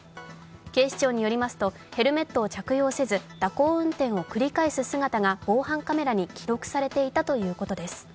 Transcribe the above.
警視庁によりますとヘルメットを着用せず蛇行運転を繰り返す姿が防犯カメラに記録されていたということです。